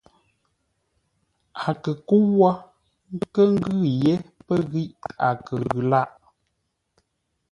A kə kə́u wó nkə́ ngʉ̂ yé pə́ ghíʼ a kə ghʉ lâʼ.